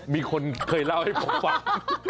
มีคนเคยเล่าให้ผมฟัง